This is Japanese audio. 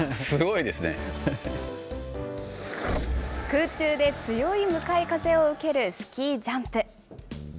空中で強い向かい風を受けるスキージャンプ。